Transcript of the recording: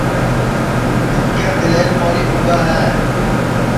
اِٻکے دِلور موری پُگا ہے